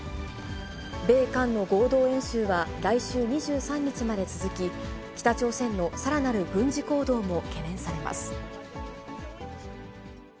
米韓の合同演習は来週２３日まで続き、北朝鮮のさらなる軍事行動も懸念されます。